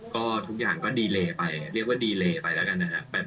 ก็ทุกอย่างก็ดีเลไปเรียกว่าดีเลไปแล้วกันนะครับ